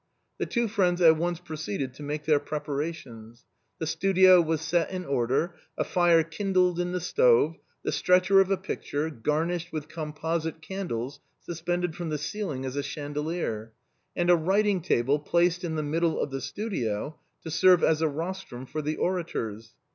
The two friends at once proceeded to make their prepa rations. The studio was set in order, a fire kindled in the stove, the stretcher of a picture, garnished with composite candles, suspended from the ceiling as a chandelier, and a writing table placed in the middle of the studio to serve as a rostrum for the orators.